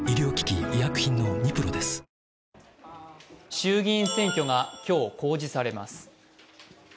衆議院選挙が今日、公示されます。